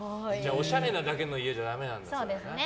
おしゃれなだけの家じゃダメなんだね。